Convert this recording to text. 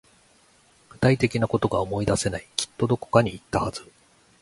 具体的なことが思い出せない。きっとどこかに行ったはず。